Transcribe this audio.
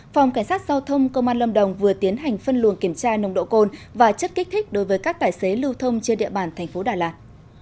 phòng cảnh sát giao thông công an lâm đồng vừa tiến hành phân luồng kiểm tra nồng độ cồn và chất kích thích đối với các tài xế lưu thông trên địa bàn thành phố đà lạt